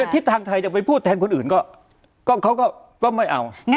ทิศทางไทยจะไปพูดแทนคนอื่นเขาก็ไม่เอา